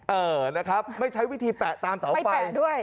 เออนะครับไม่ใช้วิธีแปะตามเสาไฟด้วย